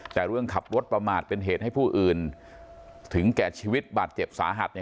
แต่เรื่องขับรถประมาทเป็นเหตุให้ผู้อื่นถึงแก่ชีวิตบาดเจ็บสาหัสเนี่ย